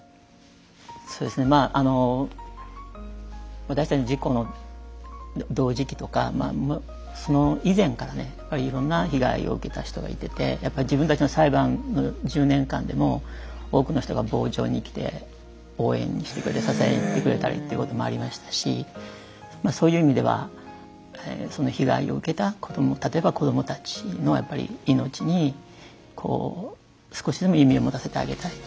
そうですねまああの私たち事故の同時期とかその以前からねいろんな被害を受けた人がいててやっぱり自分たちの裁判の１０年間でも多くの人が傍聴に来て応援してくれて支えてくれたりってこともありましたしそういう意味ではその被害を受けた例えば子どもたちのやっぱり命に少しでも意味を持たせてあげたいと。